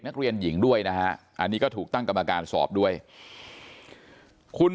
นักเรียนหญิงด้วยนะฮะอันนี้ก็ถูกตั้งกรรมการสอบด้วยคุณ